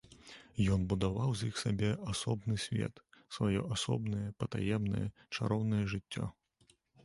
Ён будаваў з іх сабе асобны свет, сваё асобнае, патаемнае, чароўнае жыццё.